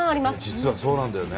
実はそうなんだよね。